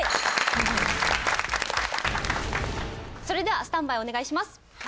それではスタンバイお願いします。